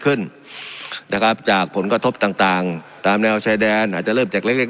ขึ้นนะครับจากผลกระทบต่างต่างตามแนวชายแดนอาจจะเริ่มจากเล็กเล็ก